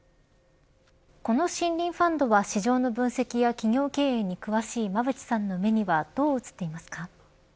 この森林ファンドは市場の分析や企業経営に詳しい馬渕さんの目にはどう映っていますか。